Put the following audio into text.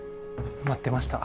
待ってました。